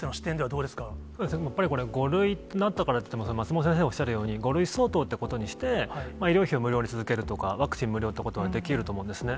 そうですね、やっぱりこれ、５類になったからといって、松本先生おっしゃるように、５類相当ってことにして、医療費を無料に続けるとか、ワクチン無料ということができると思うんですね。